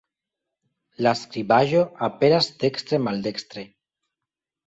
La skribaĵo aperas dekstre-maldestre.